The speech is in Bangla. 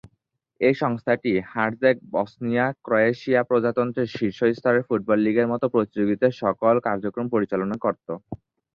এই সংস্থাটি হার্জেগ-বসনিয়া ক্রোয়েশীয় প্রজাতন্ত্রের শীর্ষ স্তরের ফুটবল লীগের মতো প্রতিযোগিতার সকল কার্যক্রম পরিচালনা করতো।